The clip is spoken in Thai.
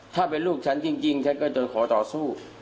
ถ้าเป็นลูกฉันจริงฉันก็จะขอต่อสู้